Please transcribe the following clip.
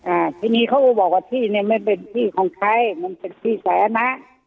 อ่าทีนี้เขาก็บอกว่าที่เนี้ยไม่เป็นที่ของใครมันเป็นที่สาธารณะ